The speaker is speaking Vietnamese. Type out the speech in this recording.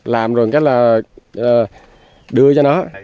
làm rồi cái là đưa cho nó